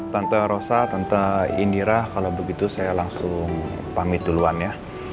tante rosa tante indira kalau begitu saya langsung pamit duluan ya